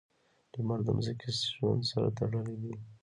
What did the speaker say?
• لمر د ځمکې ژوند سره تړلی دی.